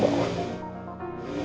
semua sudah aku bawa